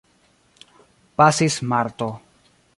Pasis marto.